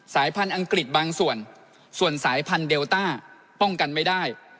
พันธุ์อังกฤษบางส่วนส่วนสายพันธุเดลต้าป้องกันไม่ได้